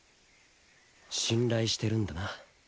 信頼してるんだな。